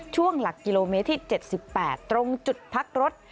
ช่วงหลักกิโลเมตรที่๗๘ตรงจุดพักรถ